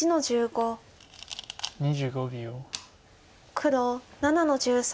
黒７の十三。